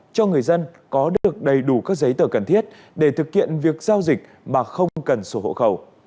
cho người dân có được đầy đủ các giấy tờ cần thiết để thực hiện việc giao dịch mà không cần sổ hộ khẩu